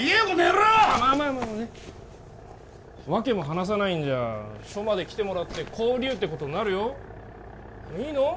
まあまあまあまあねっ訳も話さないんじゃ署まで来てもらって勾留ってことになるよいいの？